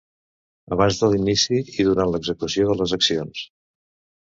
Abans de l'inici i durant l'execució de les accions.